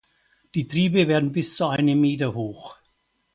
Die Triebe werden bis zu einem Meter hoch.